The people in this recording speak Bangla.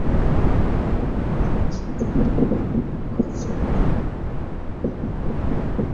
অন্নদাবাবুর বাসায় আসিয়া যোগেন্দ্রকে কহিল, পালাইয়াছে, ধরিতে পারিলাম না।